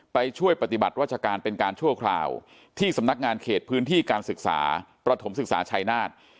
ไปช่วยปฏิบัติราชการเป็นการชั่วคราวที่สำนักงานเขตพื้นที่การศึกษาประถมศึกษาชัยนาฏ